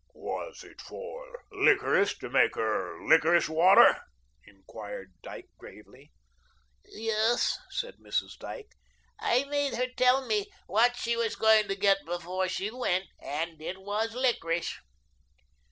"Was it for licorice to make her licorice water?" inquired Dyke gravely. "Yes," said Mrs. Dyke. "I made her tell me what she was going to get before she went, and it was licorice."